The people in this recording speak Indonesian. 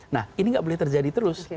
nah ini nggak boleh terjadi terus